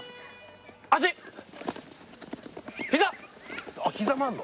足膝膝もあんの？